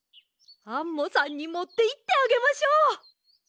アンモさんにもっていってあげましょう。